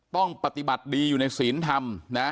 ต้องปฏิบัติดีอยู่ในศีลธรรมนะ